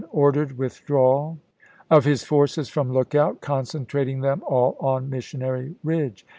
ordered the withdrawal of his forces from Lookout, concentrating them all on Missionary Ridge.